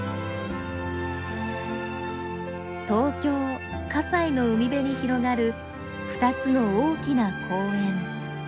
東京西の海辺に広がる２つの大きな公園。